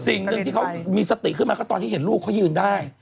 สิ่งหนึ่งที่เขามีสติขึ้นมาก็ตอนที่เห็นลูกเขายืนได้